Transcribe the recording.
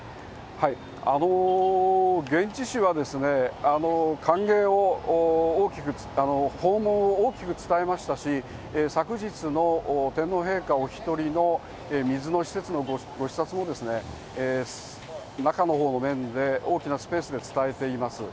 現地紙は歓迎を大きく、訪問を大きく伝えましたし、昨日の天皇陛下お１人の水の施設のご視察も中のほうの面で大きなスペースで伝えています。